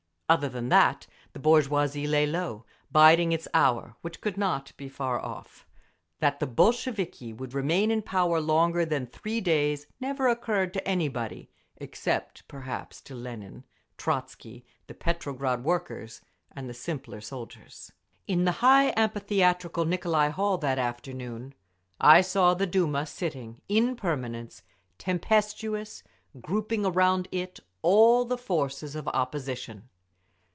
Other than that, the bourgeoisie lay low, biding its hour—which could not far off. That the Bolsheviki would remain in power longer than three days never occurred to anybody—except perhaps to Lenin, Trotzky, the Petrograd workers and the simpler soldiers…. In the high, amphitheatrical Nicolai Hall that afternoon I saw the Duma sitting in permanence, tempestuous, grouping around it all the forces of opposition.